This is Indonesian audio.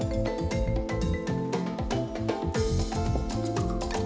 masukkan adonan tepung